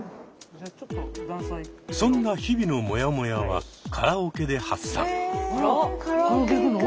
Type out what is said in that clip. そんな日々のモヤモヤはカラオケで発散。